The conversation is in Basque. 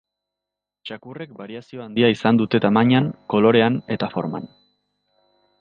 Txakurrek bariazio handia izan dute tamainan, kolorean eta forman.